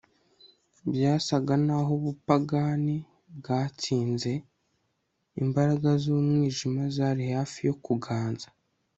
byasaga n'aho ubupagani bwatsinze; imbaraga z'umwijima zari hafi yo kuganza